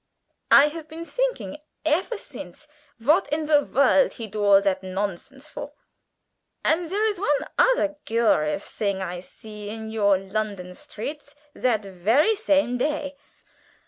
I haf been thinking efer since vat in the vorldt he do all zat nonsence for. And zere is von ozer gurious thing I see in your London streets zat very same day.